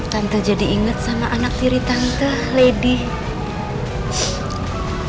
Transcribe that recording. tante jadi inget sama anak viri tante lady